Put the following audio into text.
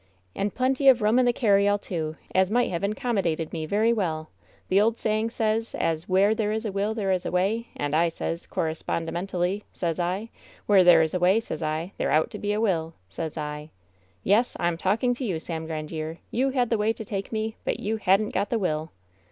"And plenty of room in the carryall, too, as might have incommodated me very welL The old saying sez as 'Where there is a will there is a way,' and I sez, cor »spondimentally, sez I, 'where there is a way, sez I, there out to be a will,' sez I. Yes 1 I'm talking to you, Sam Grandiere. You had the way to take me, but you hadn't got the will."